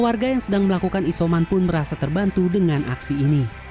warga yang sedang melakukan isoman pun merasa terbantu dengan aksi ini